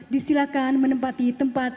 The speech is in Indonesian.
disilakan menempati tempat